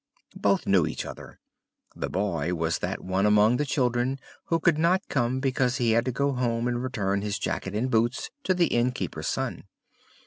Both knew each other: the boy was that one among the children who could not come because he had to go home and return his jacket and boots to the innkeeper's son.